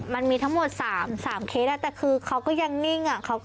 มันมีทั้งหมด๓เคสแต่คือเขาก็ยังนิ่ง